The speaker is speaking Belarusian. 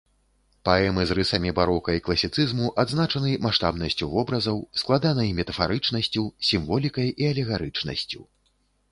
Паэмы з рысамі барока і класіцызму адзначаны маштабнасцю вобразаў, складанай метафарычнасцю, сімволікай і алегарычнасцю.